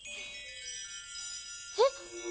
えっ？